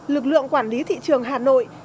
lực lượng quản lý thị trường hà nội